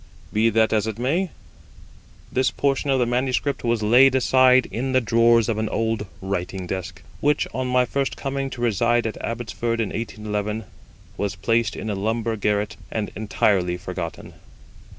Be that as it may, this portion of the manuscript was laid aside in the drawers of an old writing desk, which, on my first coming to reside at Abbotsford in 1811, was placed in a lumber garret and entirely forgotten.